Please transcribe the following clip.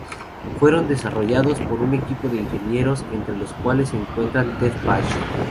Fueron desarrollados por un equipo de ingenieros entre los cuales se encuentra Ted Paige.